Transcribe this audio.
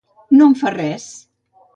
No em fa res.